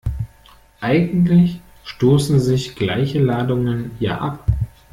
Eigentlich stoßen sich gleiche Ladungen ja ab.